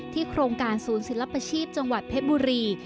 โครงการศูนย์ศิลปชีพจังหวัดเพชรบุรี